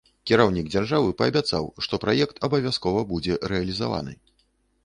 Кіраўнік дзяржавы паабяцаў, што праект абавязкова будзе рэалізаваны.